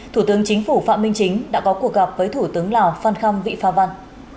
thủ tướng chính phủ phạm minh chính đã có cuộc gặp với thủ tướng lào phan khâm vị pha văn